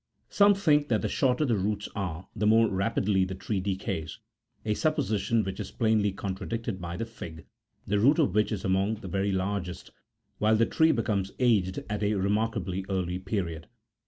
Some think that the shorter the roots are, the more rapidly the tree decays ; a sup position which is plainly contradicted by the fig, the root of which is among the very largest, while the tree becomes aged at a remarkably early period.